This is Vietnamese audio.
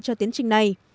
cho tiến trình này